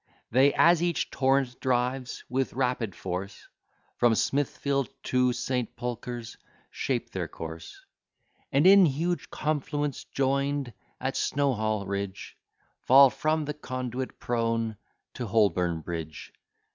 They, as each torrent drives with rapid force, From Smithfield to St. Pulchre's shape their course, And in huge confluence join'd at Snowhill ridge, Fall from the conduit prone to Holborn bridge.